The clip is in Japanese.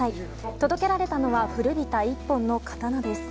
届けられたのは古びた１本の刀です。